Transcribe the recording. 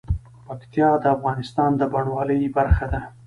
پکتیا د افغانستان د بڼوالۍ برخه ده.